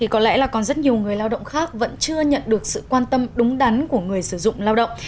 có lẽ là còn rất nhiều người lao động khác vẫn chưa nhận được sự quan tâm đúng đắn của người sử dụng lao động